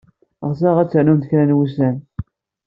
Ɣseɣ ad ternumt kra n wussan.